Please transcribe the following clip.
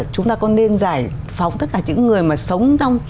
chúng ta còn nên giải phóng tất cả những người mà sống trong